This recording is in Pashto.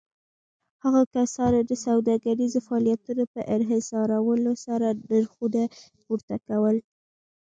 هغو کسانو د سوداګريزو فعاليتونو په انحصارولو سره نرخونه پورته کول.